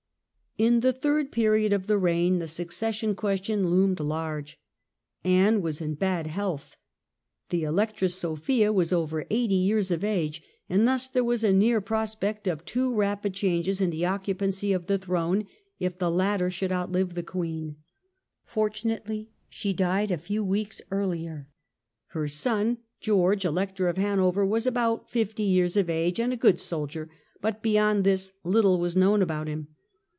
In the third period of the reign the Succession question loomed large. Anne was in bad health. The Electress Sophia was over 80 years of age, and thus Danger to the there was a near prospect of two rapid Protestant changes in the occupancy of the throne, if the ■"*^*^®" latter should outlive the queen. Fortunately she died a few weeks earlier. Her son George, Elector of Hanover, was about fifty years of age and a good soldier, but beyond this little was known about him.